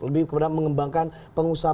lebih kepada mengembangkan pengusaha